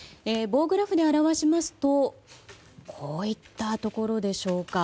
棒グラフで表しますとこういったところでしょうか。